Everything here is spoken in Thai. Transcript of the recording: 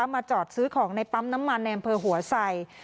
มาจอดซื้อของในปั๊มน้ำมันในอำเภอหัวไส